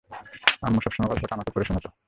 আম্মু সবসময় গল্পটা আমাকে পড়ে শোনাতো!